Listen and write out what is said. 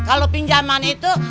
kalau pinjaman itu